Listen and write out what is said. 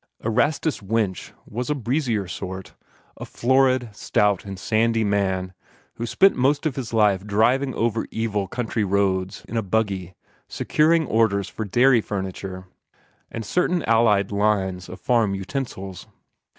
Erastus Winch was of a breezier sort a florid, stout, and sandy man, who spent most of his life driving over evil country roads in a buggy, securing orders for dairy furniture and certain allied lines of farm utensils.